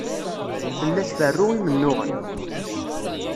Tella tferru imennuɣen.